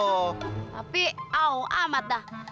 tapi awal amat dah